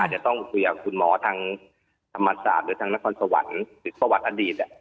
จะต้องคุยกับคุณหมอทางธรรมศาสตร์หรือทางนครสวรรค์หรือประวัติอดีต